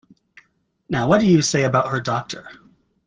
Now, what do you say about her doctor?